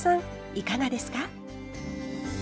いかがですか？